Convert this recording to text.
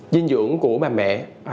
dinh dưỡng của bà mẹ